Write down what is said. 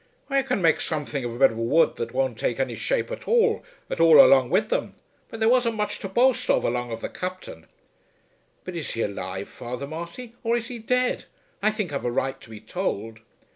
"We can make something of a bit of wood that won't take ony shape at all, at all along wid them. But there wasn't much to boast of along of the Captain." "But is he alive, Father Marty; or is he dead? I think I've a right to be told."